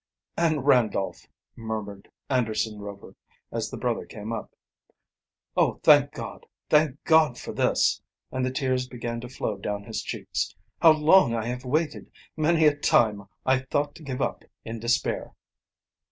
"And Randolph!" murmured Anderson Rover, as the brother came up. "Oh, thank God! Thank God, for this!" and the tears began to flow down his cheeks. "How long I have waited! Many a time I thought to give up in despair!"